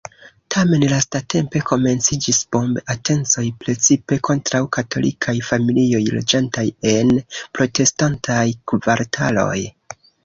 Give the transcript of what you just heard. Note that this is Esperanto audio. Tamen lastatempe komenciĝis bomb-atencoj precipe kontraŭ katolikaj familioj loĝantaj en protestantaj kvartaloj.